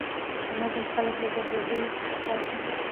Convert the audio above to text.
دا نظم خلک له ګډوډۍ ساتي.